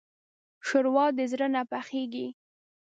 ښوروا د زړه نه پخېږي.